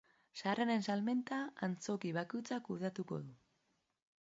Sarreren salmenta antzoki bakoitzak kudeatuko du.